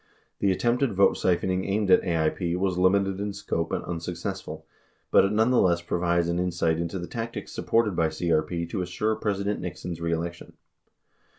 The attempted vote siphoning aimed at AIP was limited in scope and unsuccessful, but it none theless provides an insight into the tactics supported by CEP to assure President Nixon's re election.